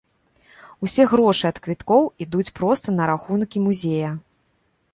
Усе грошы ад квіткоў ідуць проста на рахункі музея.